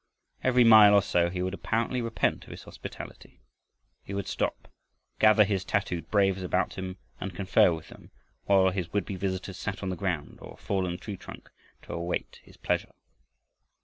Every mile or so he would apparently repent of his hospitality. He would stop, gather his tattooed braves about him and confer with them, while his would be visitors sat on the ground or a fallen tree trunk to await his pleasure.